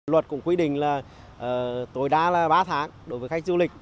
luật cũng quy định là tối đa là ba tháng đối với khách du lịch